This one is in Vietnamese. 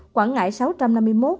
quảng ngãi một sáu trăm năm mươi một ca